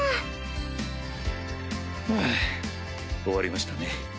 終わりましたね。